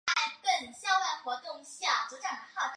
因此可能产生错误的计算及动作。